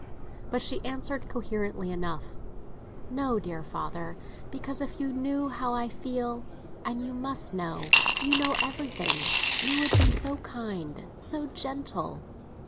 But she answered coherently enough—"No, dear father; because if you knew how I feel—and you must know, you know everything—you would be so kind, so gentle."